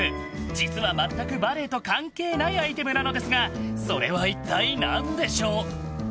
実は全くバレーと関係ないアイテムなのですがそれは一体、何でしょう？